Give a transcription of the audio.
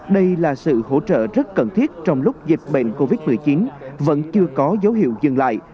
đây là sự hỗ trợ rất cần thiết trong lúc dịch bệnh covid một mươi chín vẫn chưa có dấu hiệu dừng lại